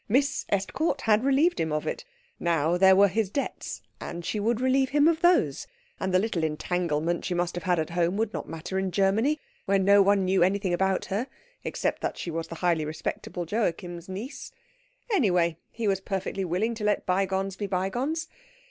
Miss Estcourt had relieved him of it. Now there were his debts, and she would relieve him of those; and the little entanglement she must have had at home would not matter in Germany, where no one knew anything about her, except that she was the highly respectable Joachim's niece. Anyway, he was perfectly willing to let bygones be bygones.